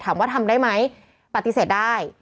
ถามว่าทำได้ไหมปฏิเสธได้